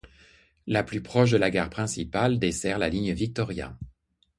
La plus proche de la gare principale dessert la ligne Victoria.